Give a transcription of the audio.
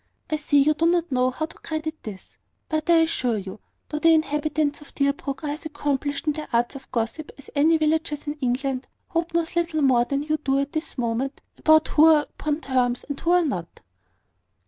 I see you do not know how to credit this; but I assure you, though the inhabitants of Deerbrook are as accomplished in the arts of gossip as any villagers in England, Hope knows little more than you do at this moment about who are upon terms and who are not."